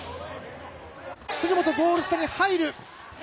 藤本、ゴール下に入る。